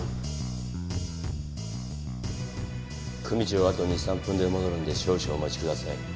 組長はあと２３分で戻るんで少々お待ちください。